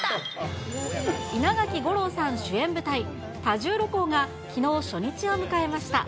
稲垣吾郎さん主演舞台、多重露光が、きのう初日を迎えました。